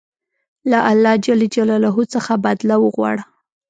له الله ج څخه بدله وغواړه.